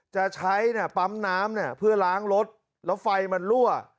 จะใช้ปั๊มน้ำเพื่อล้างรถแล้วไฟมันรั่ว